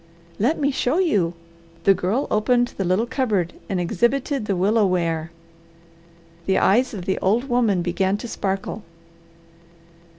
"Let me show you!" The Girl opened the little cupboard and exhibited the willow ware. The eyes of the old woman began to sparkle.